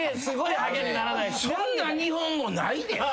そんな日本語ないで。